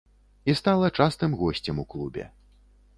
І стала частым госцем у клубе.